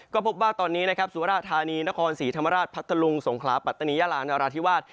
ก็พบว่าตอนนี้นะครับสุราธานีนครศรีธรรมราชพัทธลุงสงขลาปัตตานียาลานราธิวาส